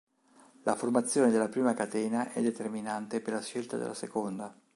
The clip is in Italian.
La formazione della prima catena è determinante per la scelta della seconda.